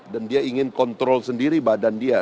dan dia ingin kontrol sendiri badan dia